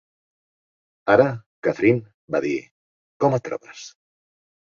"Ara, Catherine", va dir, "com et trobes?"